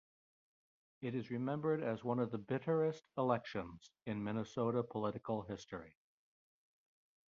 It is remembered as one of the bitterest elections in Minnesota political history.